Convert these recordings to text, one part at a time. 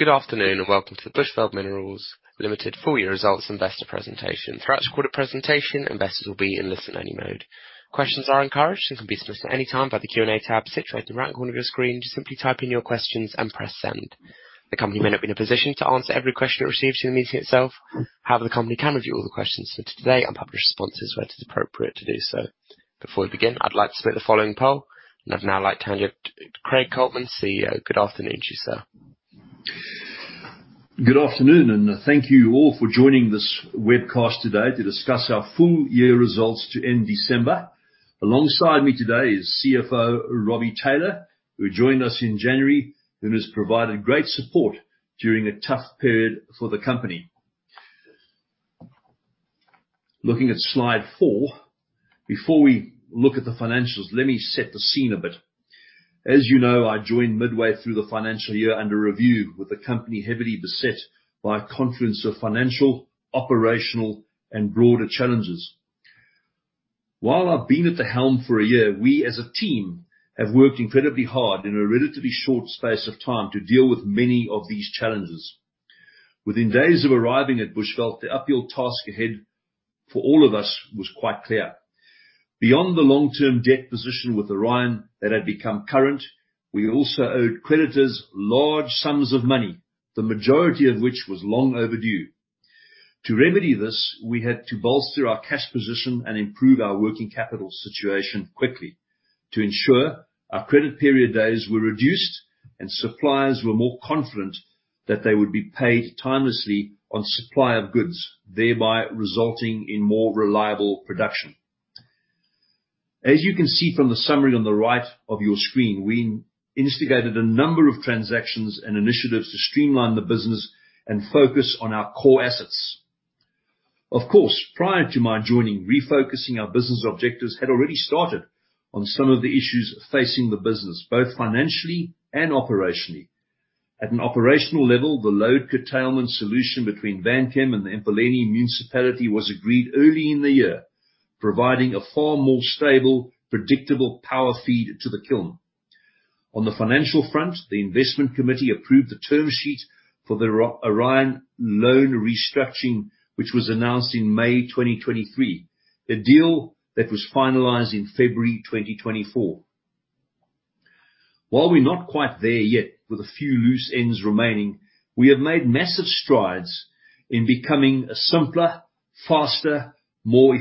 Good afternoon, and welcome to the Bushveld Minerals Limited Four-Year Results Investor Presentation. Throughout the recorded presentation, investors will be in listen-only mode. Questions are encouraged and can be submitted at any time by the Q&A tab situated in the right corner of your screen. Just simply type in your questions and press send. The company may not be in a position to answer every question it receives in the meeting itself; however, the company can review all the questions submitted today and publish responses where it is appropriate to do so. Before we begin, I'd like to submit the following poll, and I'd now like to hand you over to Craig Coltman, CEO. Good afternoon to you, sir. Good afternoon, and thank you all for joining this webcast today to discuss our full-year results to end December. Alongside me today is CFO Robbie Taylor, who joined us in January and has provided great support during a tough period for the company. Looking at slide four, before we look at the financials, let me set the scene a bit. As you know, I joined midway through the financial year under review, with the company heavily beset by a confluence of financial, operational, and broader challenges. While I've been at the helm for a year, we, as a team, have worked incredibly hard in a relatively short space of time to deal with many of these challenges. Within days of arriving at Bushveld, the uphill task ahead for all of us was quite clear. Beyond the long-term debt position with Orion that had become current, we also owed creditors large sums of money, the majority of which was long overdue. To remedy this, we had to bolster our cash position and improve our working capital situation quickly to ensure our credit period days were reduced and suppliers were more confident that they would be paid timely on supply of goods, thereby resulting in more reliable production. As you can see from the summary on the right of your screen, we instigated a number of transactions and initiatives to streamline the business and focus on our core assets. Of course, prior to my joining, refocusing our business objectives had already started on some of the issues facing the business, both financially and operationally. At an operational level, the load curtailment solution between Vanchem and the Emalahleni Municipality was agreed early in the year, providing a far more stable, predictable power feed to the kiln. On the financial front, the investment committee approved the term sheet for the Orion loan restructuring, which was announced in May 2023, a deal that was finalized in February 2024. While we're not quite there yet, with a few loose ends remaining, we have made massive strides in becoming a simpler, faster, more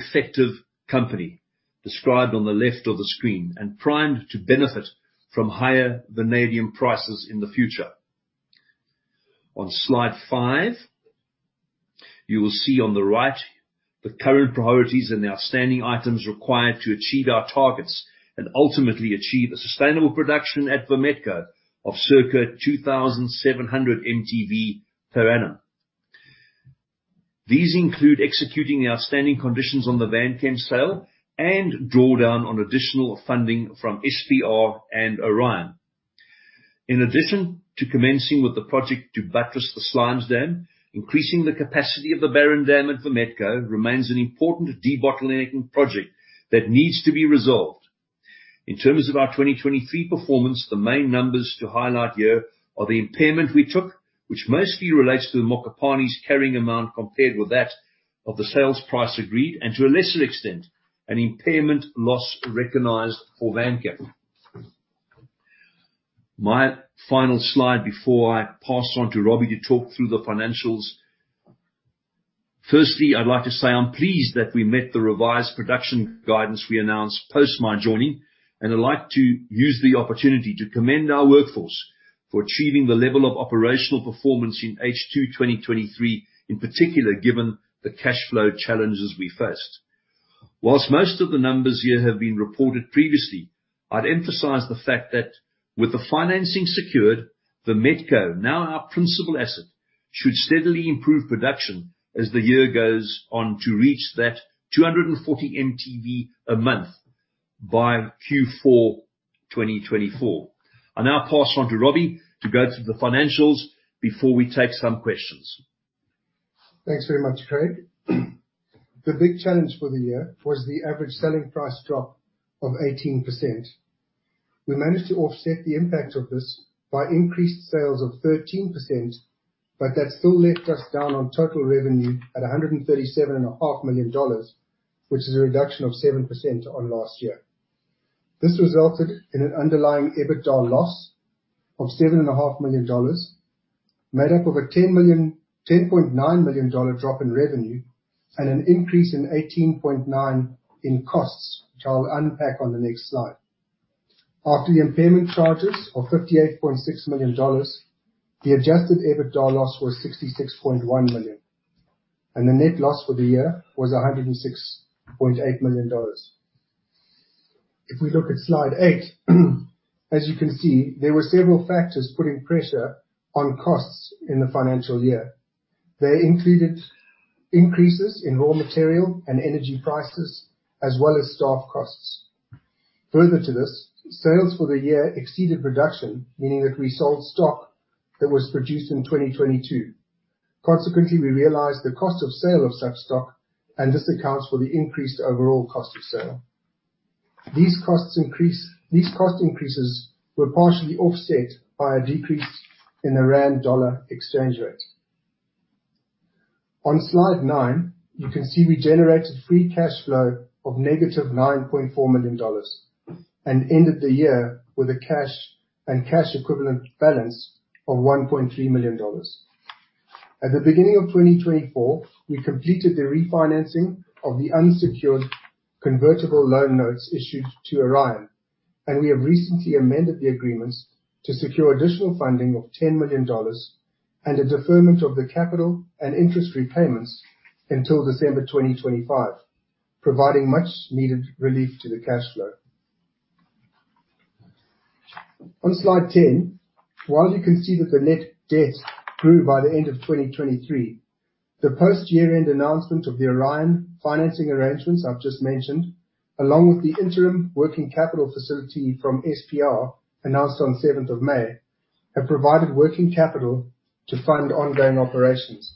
effective company described on the left of the screen and primed to benefit from higher vanadium prices in the future. On slide five, you will see on the right the current priorities and the outstanding items required to achieve our targets and ultimately achieve a sustainable production at Vametco of circa 2,700 mtV per annum. These include executing the outstanding conditions on the Vanchem sale and drawdown on additional funding from SPR and Orion. In addition to commencing with the project to buttress the slimes dam, increasing the capacity of the barren dam at Vametco remains an important debottlenecking project that needs to be resolved. In terms of our 2023 performance, the main numbers to highlight here are the impairment we took, which mostly relates to the Mokopane's carrying amount compared with that of the sales price agreed, and to a lesser extent, an impairment loss recognized for Vanchem. My final slide before I pass on to Robbie to talk through the financials. Firstly, I'd like to say I'm pleased that we met the revised production guidance we announced post my joining, and I'd like to use the opportunity to commend our workforce for achieving the level of operational performance in H2 2023, in particular given the cash flow challenges we faced. While most of the numbers here have been reported previously, I'd emphasize the fact that with the financing secured, Vametco, now our principal asset, should steadily improve production as the year goes on to reach that 240 mtV a month by Q4 2024. I'll now pass on to Robbie to go through the financials before we take some questions. Thanks very much, Craig. The big challenge for the year was the average selling price drop of 18%. We managed to offset the impact of this by increased sales of 13%, but that still left us down on total revenue at $137.5 million, which is a reduction of 7% on last year. This resulted in an underlying EBITDA loss of $7.5 million, made up of a $10.9 million drop in revenue and an increase in $18.9 million in costs, which I'll unpack on the next slide. After the impairment charges of $58.6 million, the adjusted EBITDA loss was $66.1 million, and the net loss for the year was $106.8 million. If we look at slide eight, as you can see, there were several factors putting pressure on costs in the financial year. They included increases in raw material and energy prices, as well as staff costs. Further to this, sales for the year exceeded production, meaning that we sold stock that was produced in 2022. Consequently, we realized the cost of sale of such stock, and this accounts for the increased overall cost of sale. These cost increases were partially offset by a decrease in the rand-dollar exchange rate. On slide nine, you can see we generated free cash flow of -$9.4 million and ended the year with a cash and cash equivalent balance of $1.3 million. At the beginning of 2024, we completed the refinancing of the unsecured convertible loan notes issued to Orion, and we have recently amended the agreements to secure additional funding of $10 million and a deferment of the capital and interest repayments until December 2025, providing much-needed relief to the cash flow. On slide 10, while you can see that the net debt grew by the end of 2023, the post-year-end announcement of the Orion financing arrangements I've just mentioned, along with the interim working capital facility from SPR announced on 7th of May, have provided working capital to fund ongoing operations.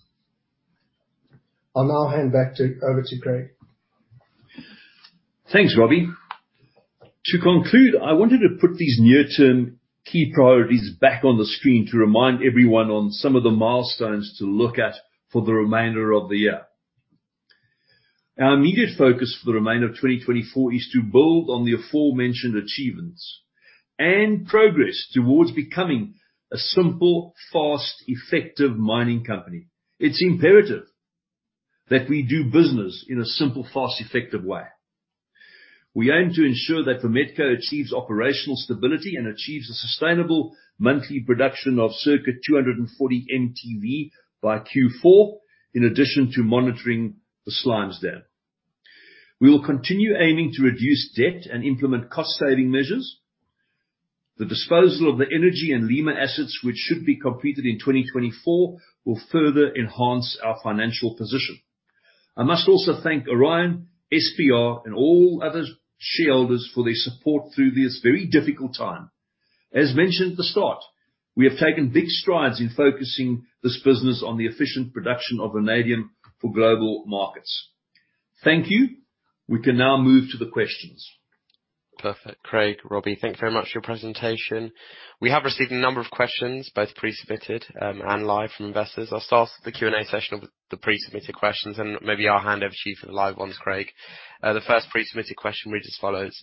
I'll now hand back over to Craig. Thanks, Robbie. To conclude, I wanted to put these near-term key priorities back on the screen to remind everyone on some of the milestones to look at for the remainder of the year. Our immediate focus for the remainder of 2024 is to build on the aforementioned achievements and progress towards becoming a simple, fast, effective mining company. It's imperative that we do business in a simple, fast, effective way. We aim to ensure that Vametco achieves operational stability and achieves a sustainable monthly production of circa 240 mtV by Q4, in addition to monitoring the slimes dam. We will continue aiming to reduce debt and implement cost-saving measures. The disposal of the energy and Lemur assets, which should be completed in 2024, will further enhance our financial position. I must also thank Orion, SPR, and all other shareholders for their support through this very difficult time. As mentioned at the start, we have taken big strides in focusing this business on the efficient production of vanadium for global markets. Thank you. We can now move to the questions. Perfect. Craig, Robbie, thank you very much for your presentation. We have received a number of questions, both pre-submitted and live from investors. I'll start the Q&A session with the pre-submitted questions, and maybe I'll hand over to you for the live ones, Craig. The first pre-submitted question reads as follows: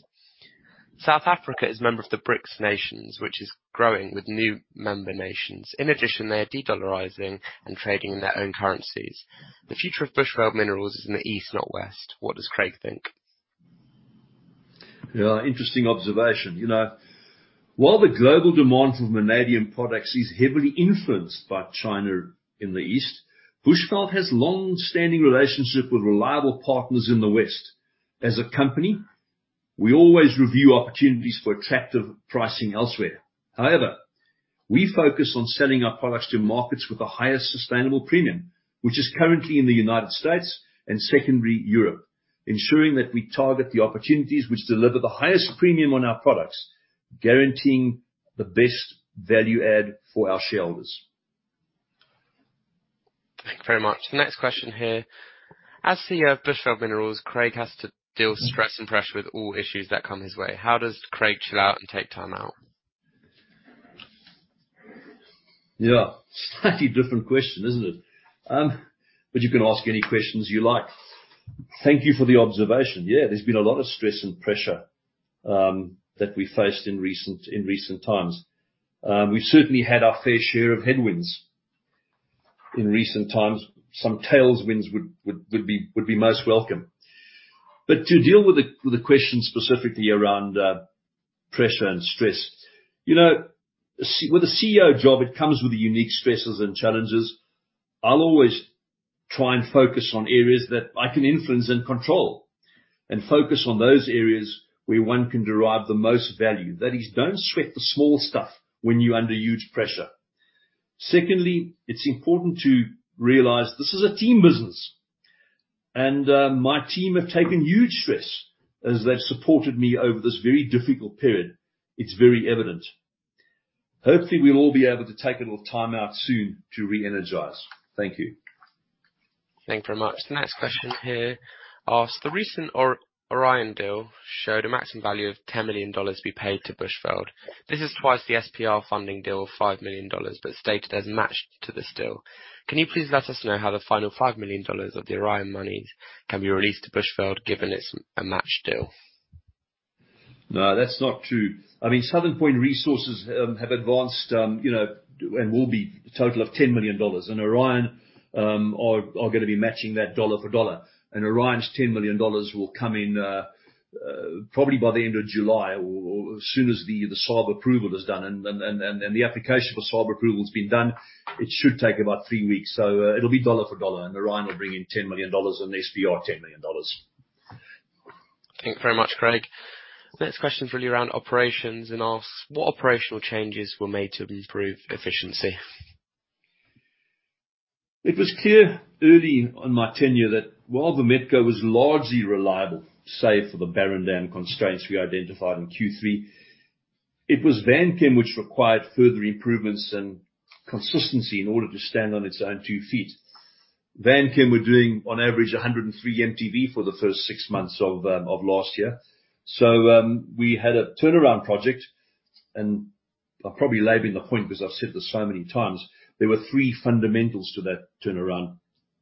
South Africa is a member of the BRICS nations, which is growing with new member nations. In addition, they are de-dollarizing and trading in their own currencies. The future of Bushveld Minerals is in the east, not west. What does Craig think? Interesting observation. While the global demand for vanadium products is heavily influenced by China in the east, Bushveld has a long-standing relationship with reliable partners in the west. As a company, we always review opportunities for attractive pricing elsewhere. However, we focus on selling our products to markets with the highest sustainable premium, which is currently in the United States and secondary Europe, ensuring that we target the opportunities which deliver the highest premium on our products, guaranteeing the best value add for our shareholders. Thank you very much. The next question here: as the Bushveld Minerals, Craig has to deal with stress and pressure with all issues that come his way. How does Craig chill out and take time out? Yeah, slightly different question, isn't it? But you can ask any questions you like. Thank you for the observation. Yeah, there's been a lot of stress and pressure that we faced in recent times. We've certainly had our fair share of headwinds in recent times. Some tailwinds would be most welcome. But to deal with the question specifically around pressure and stress, with a CEO job, it comes with unique stresses and challenges. I'll always try and focus on areas that I can influence and control and focus on those areas where one can derive the most value. That is, don't sweat the small stuff when you're under huge pressure. Secondly, it's important to realize this is a team business, and my team have taken huge stress as they've supported me over this very difficult period. It's very evident. Hopefully, we'll all be able to take a little time out soon to re-energize. Thank you. Thank you very much. The next question here asks: the recent Orion deal showed a maximum value of $10 million to be paid to Bushveld. This is twice the SPR funding deal of $5 million, but stated as matched to this deal. Can you please let us know how the final $5 million of the Orion money can be released to Bushveld, given it's a matched deal? No, that's not true. I mean, Southern Point Resources have advanced and will be a total of $10 million, and Orion are going to be matching that dollar for dollar. And Orion's $10 million will come in probably by the end of July or as soon as the SARB approval is done. And the application for SARB approval has been done. It should take about three weeks. So it'll be dollar for dollar, and Orion will bring in $10 million and SPR $10 million. Thank you very much, Craig. Next question is really around operations and asks: what operational changes were made to improve efficiency? It was clear early on in my tenure that while Vametco was largely reliable, save for the barren dam constraints we identified in Q3, it was Vanchem which required further improvements and consistency in order to stand on its own two feet. Vanchem were doing, on average, 103 mtV for the first six months of last year. So we had a turnaround project, and I'll probably lay in the point because I've said this so many times. There were three fundamentals to that turnaround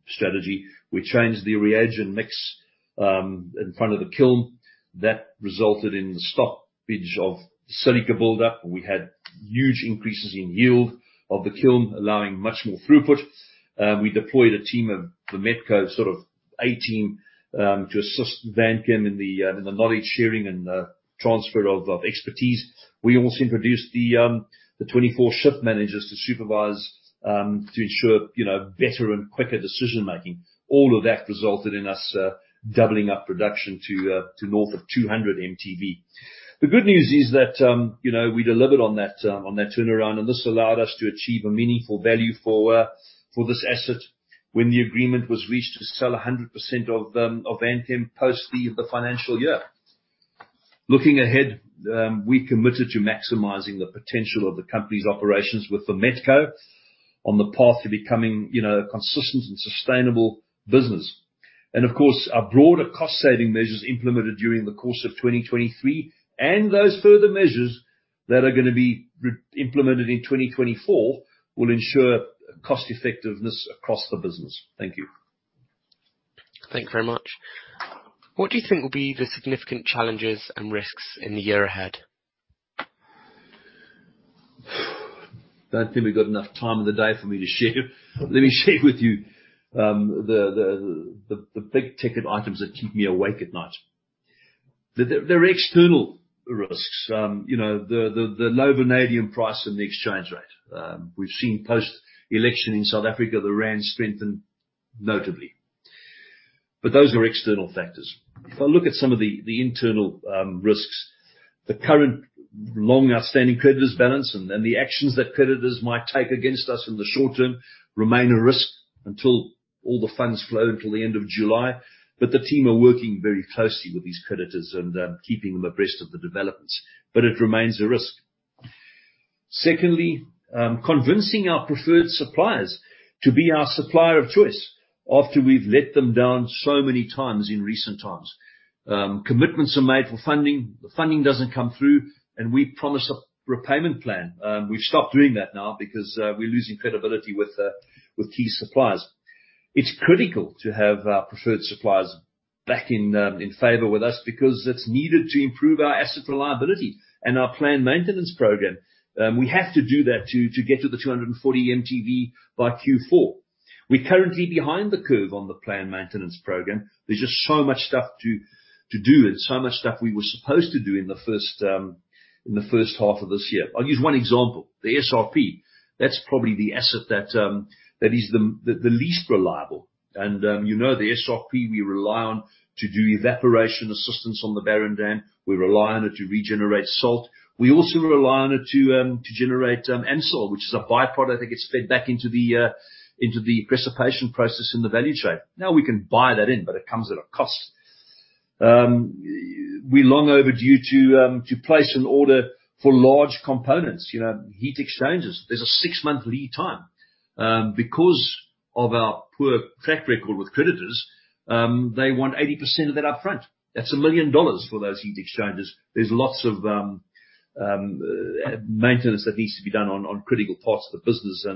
strategy. We changed the reagent mix in front of the kiln. That resulted in the stoppage of silica build-up. We had huge increases in yield of the kiln, allowing much more throughput. We deployed a team of Vametco, sort of a team, to assist Vanchem in the knowledge sharing and transfer of expertise. We also introduced the 24 shift managers to supervise to ensure better and quicker decision-making. All of that resulted in us doubling up production to north of 200 mtV. The good news is that we delivered on that turnaround, and this allowed us to achieve a meaningful value for this asset when the agreement was reached to sell 100% of Vanchem post the financial year. Looking ahead, we committed to maximizing the potential of the company's operations with Vametco on the path to becoming a consistent and sustainable business. Of course, our broader cost-saving measures implemented during the course of 2023 and those further measures that are going to be implemented in 2024 will ensure cost-effectiveness across the business. Thank you. Thank you very much. What do you think will be the significant challenges and risks in the year ahead? Don't think we've got enough time in the day for me to share. Let me share with you the big ticket items that keep me awake at night. They're external risks. The low vanadium price and the exchange rate. We've seen post-election in South Africa, the rand strengthened notably. But those are external factors. If I look at some of the internal risks, the current long-outstanding creditors' balance and the actions that creditors might take against us in the short term remain a risk until all the funds flow until the end of July. But the team are working very closely with these creditors and keeping them abreast of the developments. But it remains a risk. Secondly, convincing our preferred suppliers to be our supplier of choice after we've let them down so many times in recent times. Commitments are made for funding. The funding doesn't come through, and we promise a repayment plan. We've stopped doing that now because we're losing credibility with key suppliers. It's critical to have our preferred suppliers back in favor with us because it's needed to improve our asset reliability and our planned maintenance program. We have to do that to get to the 240 mtV by Q4. We're currently behind the curve on the planned maintenance program. There's just so much stuff to do and so much stuff we were supposed to do in the first half of this year. I'll use one example: the SRP. That's probably the asset that is the least reliable. And you know the SRP we rely on to do evaporation assistance on the Barren Dam. We rely on it to regenerate salt. We also rely on it to generate AMSUL, which is a byproduct that gets fed back into the precipitation process in the value chain. Now we can buy that in, but it comes at a cost. We're long overdue to place an order for large components, heat exchangers. There's a six-month lead time. Because of our poor track record with creditors, they want 80% of that upfront. That's $1 million for those heat exchangers. There's lots of maintenance that needs to be done on critical parts of the business,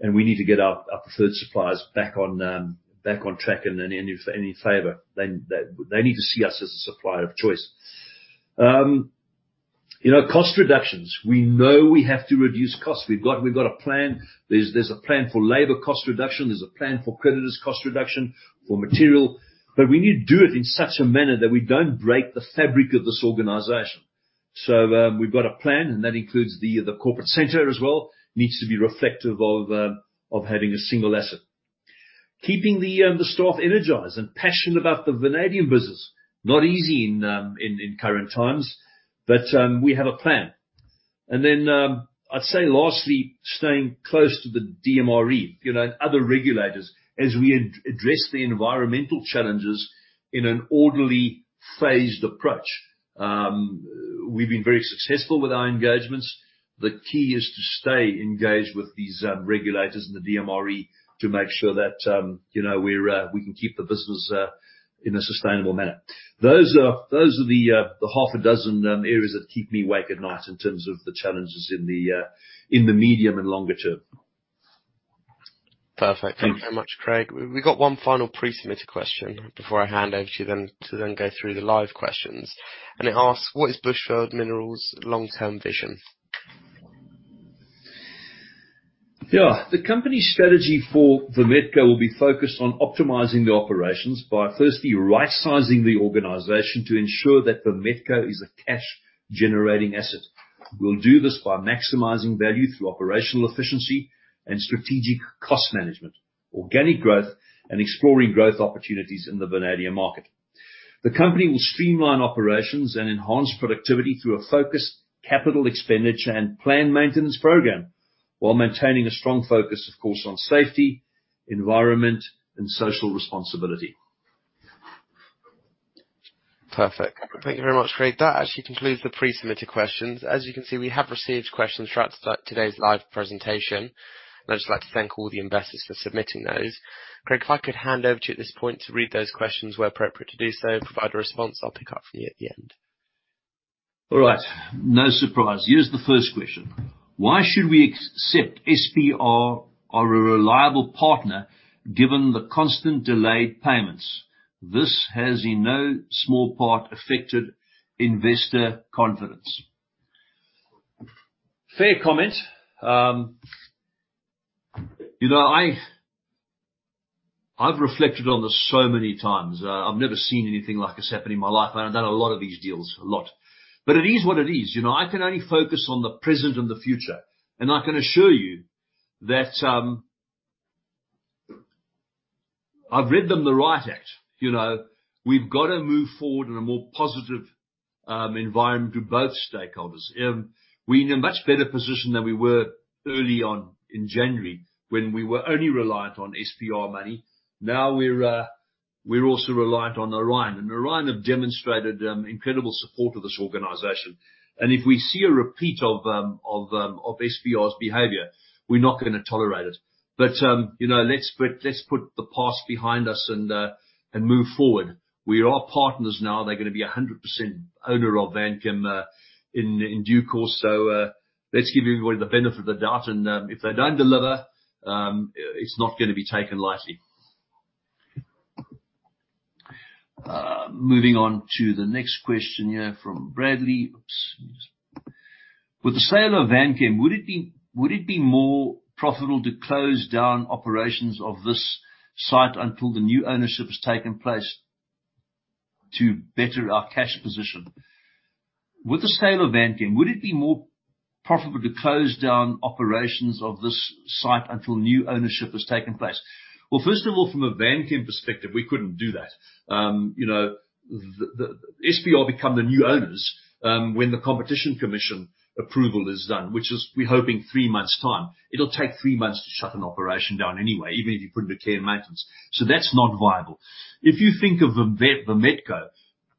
and we need to get our preferred suppliers back on track and in favor. They need to see us as a supplier of choice. Cost reductions. We know we have to reduce costs. We've got a plan. There's a plan for labor cost reduction. There's a plan for creditors' cost reduction for material. But we need to do it in such a manner that we don't break the fabric of this organization. So we've got a plan, and that includes the corporate center as well. It needs to be reflective of having a single asset. Keeping the staff energized and passionate about the vanadium business. Not easy in current times, but we have a plan. And then I'd say lastly, staying close to the DMRE and other regulators as we address the environmental challenges in an orderly phased approach. We've been very successful with our engagements. The key is to stay engaged with these regulators and the DMRE to make sure that we can keep the business in a sustainable manner. Those are the half a dozen areas that keep me awake at night in terms of the challenges in the medium and longer term. Perfect. Thank you very much, Craig. We've got one final pre-submitted question before I hand over to you to then go through the live questions. It asks, what is Bushveld Minerals' long-term vision? Yeah. The company's strategy for Vametco will be focused on optimizing the operations by firstly right-sizing the organization to ensure that Vametco is a cash-generating asset. We'll do this by maximizing value through operational efficiency and strategic cost management, organic growth, and exploring growth opportunities in the vanadium market. The company will streamline operations and enhance productivity through a focused capital expenditure and planned maintenance program while maintaining a strong focus, of course, on safety, environment, and social responsibility. Perfect. Thank you very much, Craig. That actually concludes the pre-submitted questions. As you can see, we have received questions throughout today's live presentation. I'd just like to thank all the investors for submitting those. Craig, if I could hand over to you at this point to read those questions where appropriate to do so and provide a response, I'll pick up from you at the end. All right. No surprise. Here's the first question. Why should we accept SPR, our reliable partner given the constant delayed payments? This has in no small part affected investor confidence. Fair comment. I've reflected on this so many times. I've never seen anything like this happen in my life. I've done a lot of these deals, a lot. But it is what it is. I can only focus on the present and the future. And I can assure you that I've read them the Riot Act. We've got to move forward in a more positive environment to both stakeholders. We're in a much better position than we were early on in January when we were only reliant on SPR money. Now we're also reliant on Orion. And Orion have demonstrated incredible support of this organization. And if we see a repeat of SPR's behavior, we're not going to tolerate it. But let's put the past behind us and move forward. We are partners now. They're going to be 100% owner of Vanchem in due course. So let's give everybody the benefit of the doubt. And if they don't deliver, it's not going to be taken lightly. Moving on to the next question here from Bradley. With the sale of Vanchem, would it be more profitable to close down operations of this site until the new ownership has taken place to better our cash position? With the sale of Vanchem, would it be more profitable to close down operations of this site until new ownership has taken place? Well, first of all, from a Vanchem perspective, we couldn't do that. SPR become the new owners when the Competition Commission approval is done, which is we're hoping three months' time. It'll take three months to shut an operation down anyway, even if you put into care and maintenance. So that's not viable. If you think of Vametco,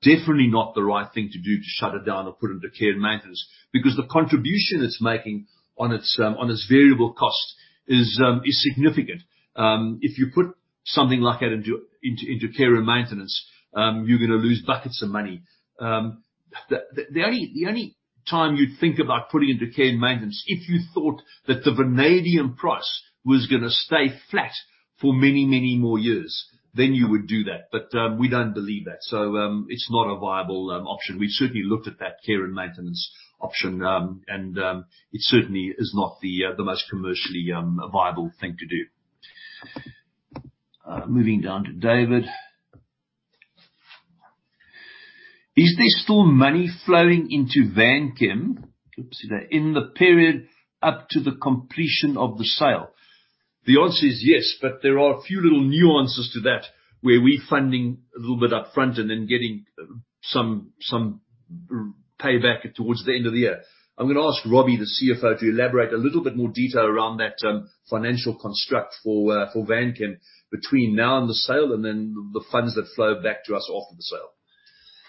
definitely not the right thing to do to shut it down or put into care and maintenance because the contribution it's making on its variable cost is significant. If you put something like that into care and maintenance, you're going to lose buckets of money. The only time you'd think about putting into care and maintenance, if you thought that the vanadium price was going to stay flat for many, many more years, then you would do that. But we don't believe that. So it's not a viable option. We've certainly looked at that care and maintenance option, and it certainly is not the most commercially viable thing to do. Moving down to David. Is there still money flowing into Vanchem in the period up to the completion of the sale? The answer is yes, but there are a few little nuances to that where we're funding a little bit upfront and then getting some payback towards the end of the year. I'm going to ask Robbie, the CFO, to elaborate a little bit more detail around that financial construct for Vanchem between now and the sale and then the funds that flow back to us after the sale.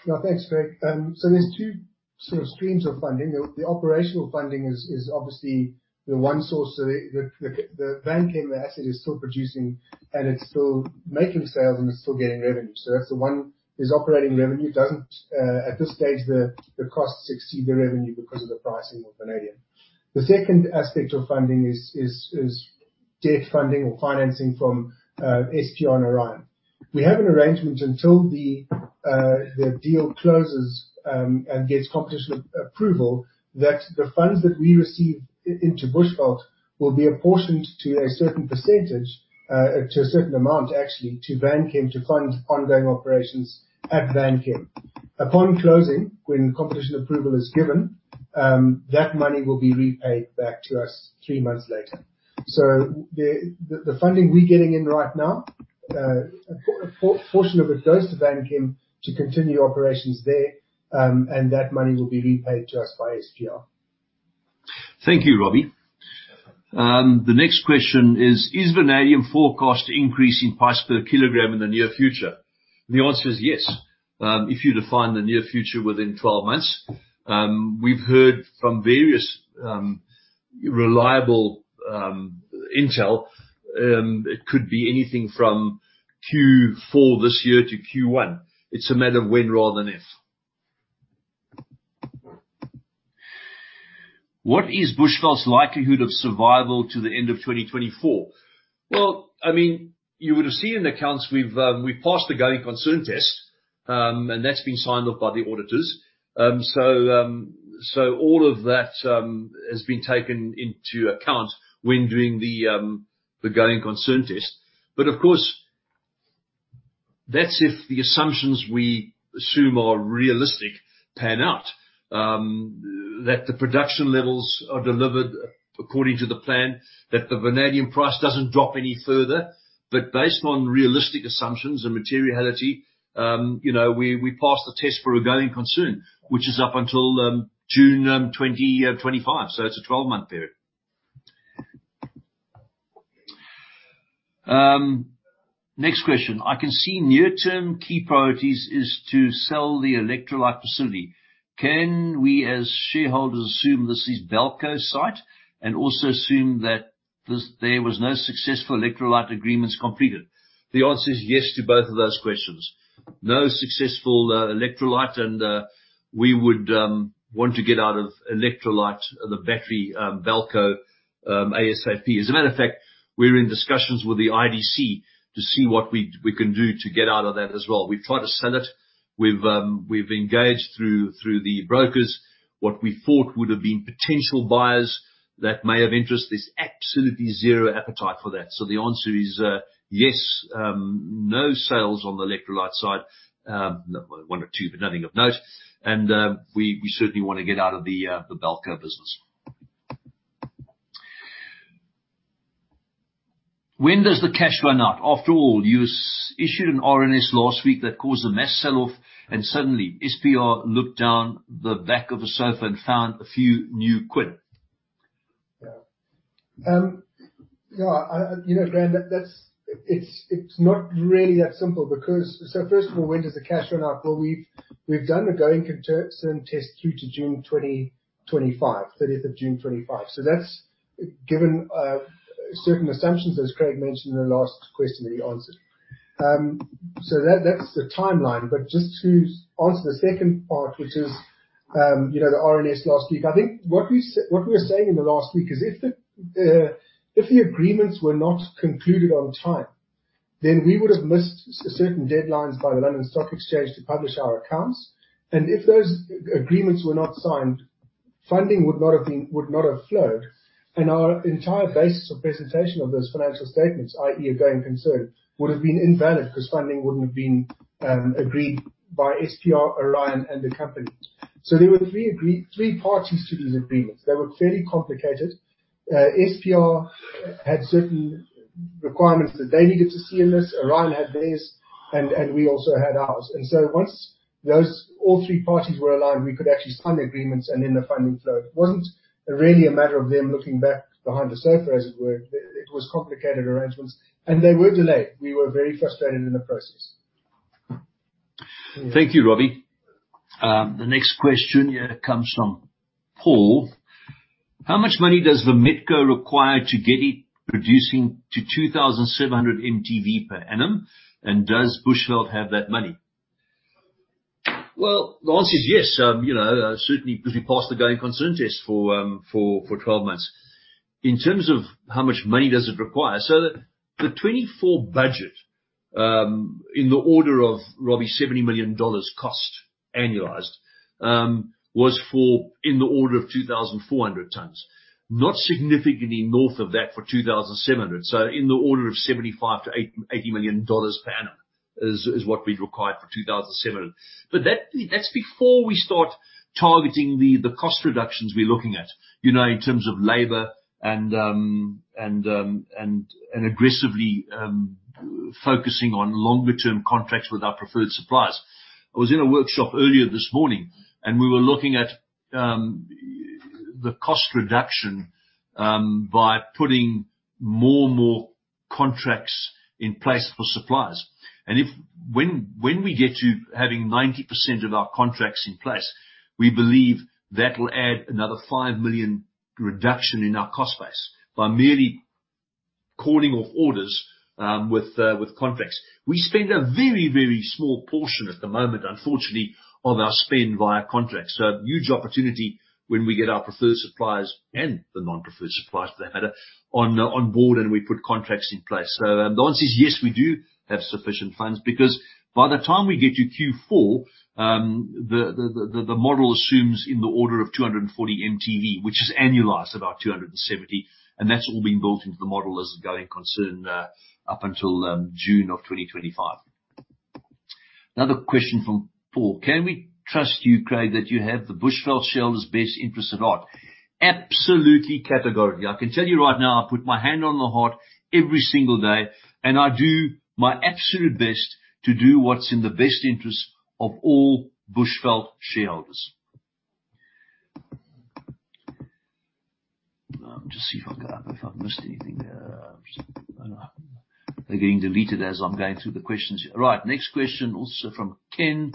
Yeah, thanks, Craig. So there's two sort of streams of funding. The operational funding is obviously the one source. The Vanchem asset is still producing, and it's still making sales, and it's still getting revenue. So that's the one that is operating revenue. At this stage, the costs exceed the revenue because of the pricing of vanadium. The second aspect of funding is debt funding or financing from SPR and Orion. We have an arrangement until the deal closes and gets competition approval that the funds that we receive into Bushveld will be apportioned to a certain percentage, to a certain amount, actually, to Vanchem to fund ongoing operations at Vanchem. Upon closing, when competition approval is given, that money will be repaid back to us three months later. The funding we're getting in right now, a portion of it goes to Vanchem to continue operations there, and that money will be repaid to us by SPR. Thank you, Robbie. The next question is, is vanadium forecast to increase in price per kilogram in the near future? The answer is yes, if you define the near future within 12 months. We've heard from various reliable intel it could be anything from Q4 this year to Q1. It's a matter of when rather than if. What is Bushveld's likelihood of survival to the end of 2024? Well, I mean, you would have seen in the accounts we've passed the going concern test, and that's been signed off by the auditors. So all of that has been taken into account when doing the going concern test. But of course, that's if the assumptions we assume are realistic pan out, that the production levels are delivered according to the plan, that the vanadium price doesn't drop any further. Based on realistic assumptions and materiality we pass the test for a going concern, which is up until June 2025. So it's a 12-month period. Next question. I can see near-term key priorities is to sell the Electrolyte Facility. Can we as shareholders assume this is Bushveld's site and also assume that there was no successful electrolyte agreements completed? The answer is yes to both of those questions. No successful electrolyte, and we would want to get out of electrolyte the battery BELCO ASAP. As a matter of fact, we're in discussions with the IDC to see what we can do to get out of that as well. We've tried to sell it. We've engaged through the brokers what we thought would have been potential buyers that may have interest. There's absolutely zero appetite for that. So the answer is yes, no sales on the electrolyte side. One or two, but nothing of note. We certainly want to get out of the BELCO business. When does the cash run out? After all, you issued an RNS last week that caused a mass sell-off, and suddenly SPR looked down the back of a sofa and found a few new quid. Yeah. Yeah, [you know Graham], it's not really that simple because so first of all, when does the cash run out? Well, we've done the going concern test through to June 2025, 30th of June 2025. So that's given certain assumptions, as Craig mentioned in the last question that he answered. So that's the timeline. But just to answer the second part, which is the RNS last week, I think what we were saying in the last week is if the agreements were not concluded on time, then we would have missed certain deadlines by the London Stock Exchange to publish our accounts. And if those agreements were not signed, funding would not have flowed. And our entire basis of presentation of those financial statements, i.e., a going concern, would have been invalid because funding wouldn't have been agreed by SPR, Orion, and the company. There were three parties to these agreements. They were fairly complicated. SPR had certain requirements that they needed to see in this. Orion had theirs, and we also had ours. Once all three parties were aligned, we could actually sign the agreements, and then the funding flowed. It wasn't really a matter of them looking back behind the sofa, as it were. It was complicated arrangements, and they were delayed. We were very frustrated in the process. Thank you, Robbie. The next question comes from Paul. How much money does Vametco require to get it producing to 2,700 mtV per annum? And does Bushveld have that money? Well, the answer is yes, certainly because we passed the going concern test for 12 months. In terms of how much money does it require? So the 2024 budget in the order of, Robbie, $70 million cost annualized was for in the order of 2,400 mtV, not significantly north of that for 2,700 mtV. So in the order of $75-$80 million per annum is what we'd required for 2,700 mtV. But that's before we start targeting the cost reductions we're looking at in terms of labor and aggressively focusing on longer-term contracts with our preferred suppliers. I was in a workshop earlier this morning, and we were looking at the cost reduction by putting more and more contracts in place for suppliers. And when we get to having 90% of our contracts in place, we believe that'll add another $5 million reduction in our cost base by merely calling off orders with contracts. We spend a very, very small portion at the moment, unfortunately, of our spend via contracts. So huge opportunity when we get our preferred suppliers and the non-preferred suppliers, for that matter, on board and we put contracts in place. So the answer is yes, we do have sufficient funds because by the time we get to Q4, the model assumes in the order of 240 mtV, which is annualized about 270. And that's all being built into the model as a going concern up until June of 2025. Another question from Paul. Can we trust you, Craig, that you have the Bushveld shareholders' best interest at heart? Absolutely, categorically. I can tell you right now I put my hand on the heart every single day, and I do my absolute best to do what's in the best interest of all Bushveld shareholders. Let me just see if I've missed anything there. They're getting deleted as I'm going through the questions. Right, next question also from Ken.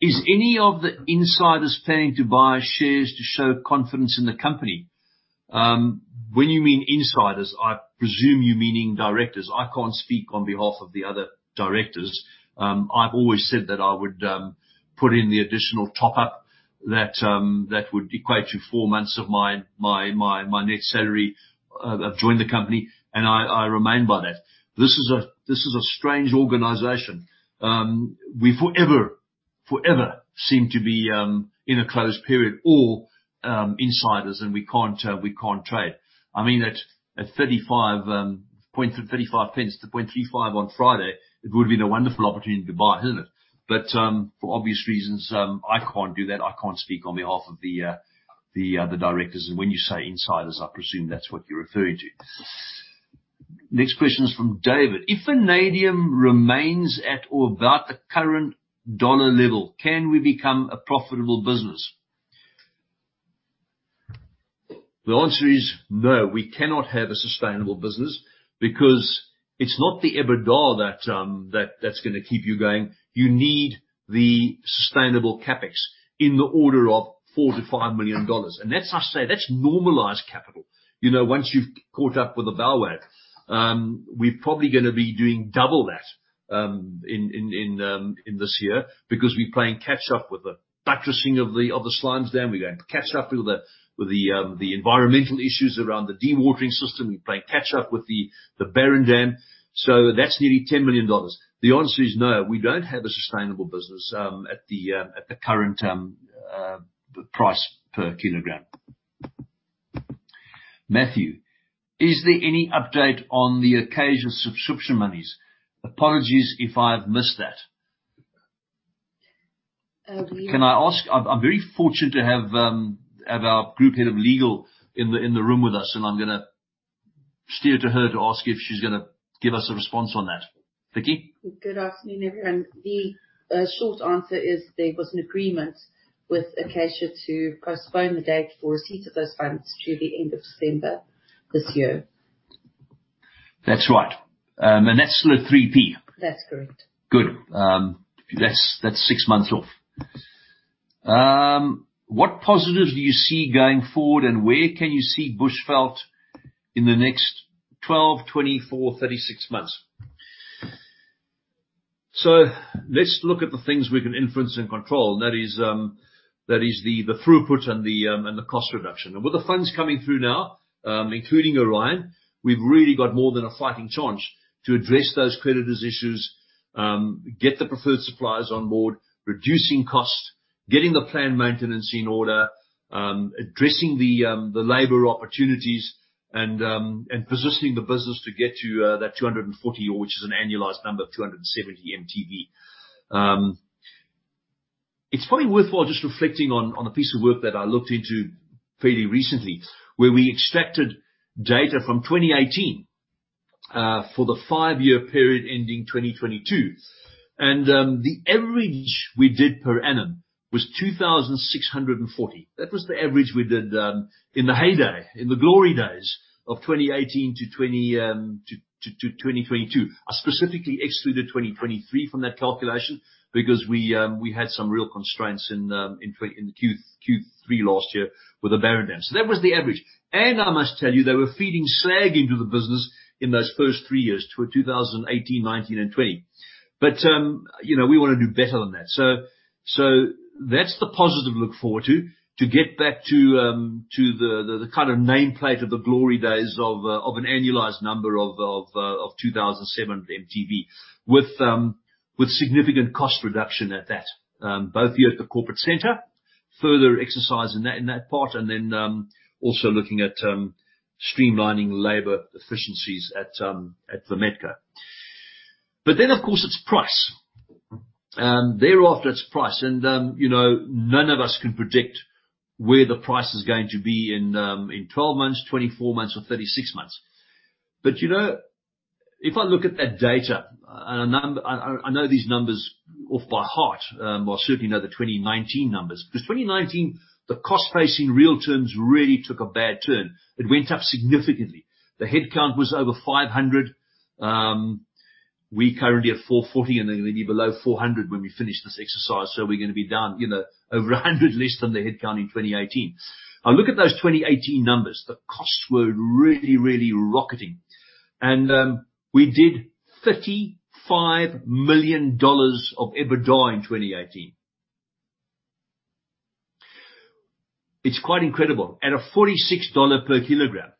Is any of the insiders planning to buy shares to show confidence in the company? When you mean insiders, I presume you mean directors. I can't speak on behalf of the other directors. I've always said that I would put in the additional top-up that would equate to four months of my net salary of joining the company, and I remain by that. This is a strange organization. We forever seem to be in a closed period or insiders, and we can't trade. I mean, at 35.35 on Friday, it would have been a wonderful opportunity to buy, hasn't it? But for obvious reasons, I can't do that. I can't speak on behalf of the directors. And when you say insiders, I presume that's what you're referring to. Next question is from David. If vanadium remains at or about the current dollar level, can we become a profitable business? The answer is no. We cannot have a sustainable business because it's not the EBITDA that's going to keep you going. You need the sustainable CapEx in the order of $4 million-$5 million. And that's normalized capital. Once you've caught up with the bellwether, we're probably going to be doing double that in this year because we're playing catch-up with the buttressing of the slimes dam. We're going to catch up with the environmental issues around the dewatering system. We're playing catch-up with the Barren Dam. So that's nearly $10 million. The answer is no. We don't have a sustainable business at the current price per kilogram. Matthew, is there any update on the Acacia subscription monies? Apologies if I've missed that. Can I ask? I'm very fortunate to have our Group Head of Legal in the room with us, and I'm going to steer to her to ask if she's going to give us a response on that. Viki? Good afternoon, everyone. The short answer is there was an agreement with Acacia to postpone the date for receipt of those funds to the end of December this year. That's right. And that's still a 3p? That's correct. Good. That's six months off. What positives do you see going forward, and where can you see Bushveld in the next 12, 24, 36 months? So let's look at the things we can influence and control. That is the throughput and the cost reduction. And with the funds coming through now, including Orion, we've really got more than a fighting chance to address those creditors' issues, get the preferred suppliers on board, reducing cost, getting the planned maintenance in order, addressing the labor opportunities, and positioning the business to get to that 240, which is an annualized number of 270 MTV. It's probably worthwhile just reflecting on the piece of work that I looked into fairly recently where we extracted data from 2018 for the five-year period ending 2022. And the average we did per annum was 2,640. That was the average we did in the heyday, in the glory days of 2018 to 2022. I specifically excluded 2023 from that calculation because we had some real constraints in Q3 last year with the barren dam. So that was the average. And I must tell you, they were feeding slag into the business in those first three years to 2018, 2019, and 2020. But we want to do better than that. So that's the positive to look forward to, to get back to the kind of nameplate of the glory days of an annualized number of 2,700 mtV with significant cost reduction at that, both here at the corporate center, further exercise in that part, and then also looking at streamlining labor efficiencies at Vametco. But then, of course, it's price. Thereafter, it's price. None of us can predict where the price is going to be in 12 months, 24 months, or 36 months. But if I look at that data, and I know these numbers off by heart, I certainly know the 2019 numbers. Because 2019, the costs in real terms really took a bad turn. It went up significantly. The headcount was over 500. We currently are 440, and it'll be below 400 when we finish this exercise. So we're going to be down over 100 less than the headcount in 2018. I look at those 2018 numbers. The costs were really, really rocketing. And we did $35 million of EBITDA in 2018. It's quite incredible at a $46 per kilogram.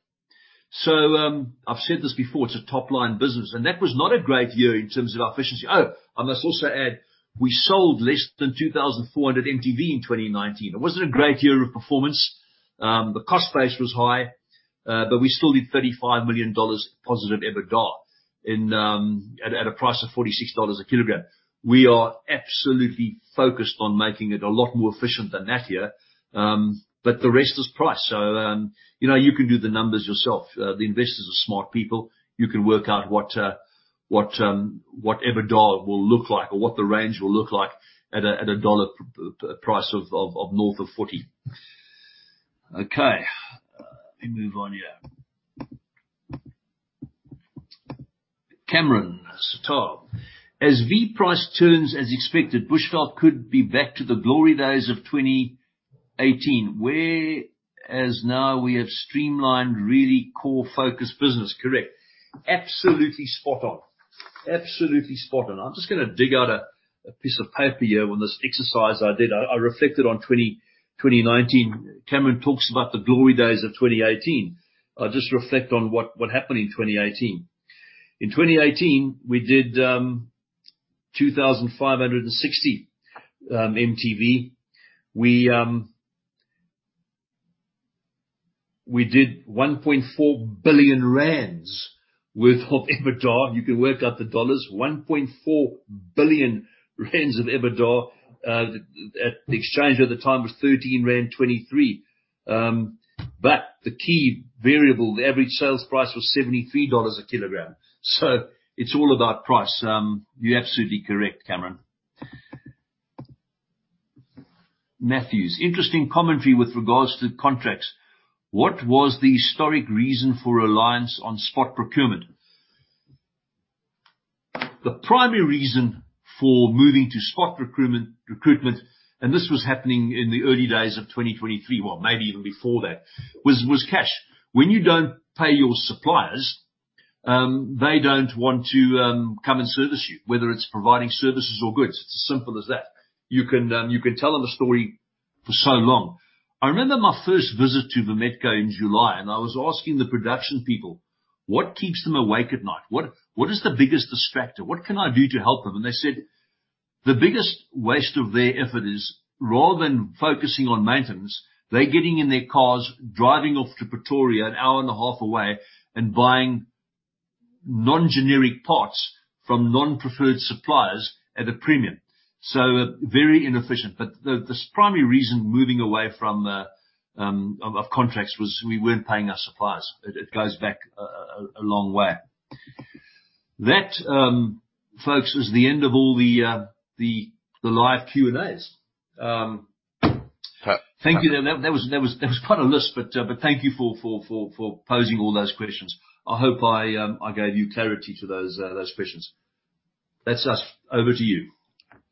So I've said this before, it's a top-line business. And that was not a great year in terms of our efficiency. Oh, I must also add we sold less than 2,400 mtV in 2019. It wasn't a great year of performance. The cost base was high, but we still did $35 million positive EBITDA at a price of $46 a kilogram. We are absolutely focused on making it a lot more efficient than that year. But the rest is price. So you can do the numbers yourself. The investors are smart people. You can work out what EBITDA will look like or what the range will look like at a dollar price of north of $40. Okay. Let me move on here. Cameron Sitowa. As V price turns as expected, Bushveld could be back to the glory days of 2018. Whereas now we have streamlined really core focus business. Correct. Absolutely spot on. Absolutely spot on. I'm just going to dig out a piece of paper here with this exercise I did. I reflected on 2019. Cameron talks about the glory days of 2018. I'll just reflect on what happened in 2018. In 2018, we did 2,560 mtV. We did 1.4 billion rand worth of EBITDA. You can work out the dollars. 1.4 billion rand of EBITDA at the exchange at the time was 13.23 rand. But the key variable, the average sales price was $73 a kilogram. So it's all about price. You're absolutely correct, Cameron. Matthews, interesting commentary with regards to contracts. What was the historic reason for reliance on spot procurement? The primary reason for moving to spot procurement, and this was happening in the early days of 2023, well, maybe even before that, was cash. When you don't pay your suppliers, they don't want to come and service you, whether it's providing services or goods. It's as simple as that. You can tell them a story for so long. I remember my first visit to Vametco in July, and I was asking the production people, "What keeps them awake at night? What is the biggest distractor? What can I do to help them?" And they said, "The biggest waste of their effort is rather than focusing on maintenance, they're getting in their cars, driving off to Pretoria, an hour and a half away, and buying non-generic parts from non-preferred suppliers at a premium." So very inefficient. But the primary reason moving away from contracts was we weren't paying our suppliers. It goes back a long way. That, folks, is the end of all the live Q&As. Thank you. That was quite a list, but thank you for posing all those questions. I hope I gave you clarity to those questions. That's us. Over to you.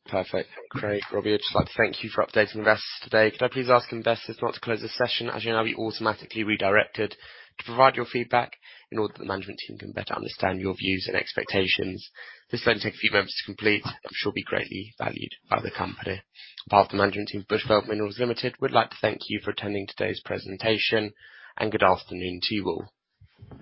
Perfect. Craig, Robbie. I'd just like to thank you for updating investors today. Could I please ask investors not to close the session? As you know, you'll be automatically redirected to provide your feedback in order that the management team can better understand your views and expectations. This will only take a few moments to complete and should be greatly valued by the company. On behalf of the management team, Bushveld Minerals Limited would like to thank you for attending today's presentation. Good afternoon to you all.